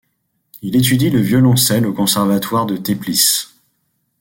Il étudie le violoncelle au conservatoire de Teplice.